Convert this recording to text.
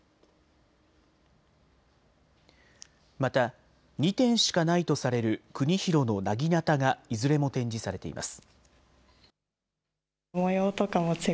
また２点しかないとされる國廣のなぎなたがいずれも展示されています。